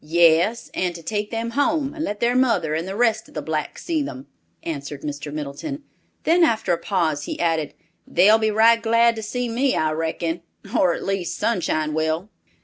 "Yes, and to take them home and let their mother and the rest of the blacks see them," answered Mr. Middleton; then after a pause he added, "They'll be right glad to see me, I reckon, or at least Sunshine will."